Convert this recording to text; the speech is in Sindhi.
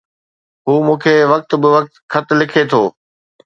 هو مون کي وقت بوقت خط لکي ٿو